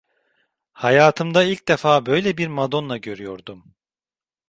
Hayatımda ilk defa böyle bir Madonna görüyordum.